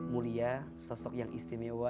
mulia sosok yang istimewa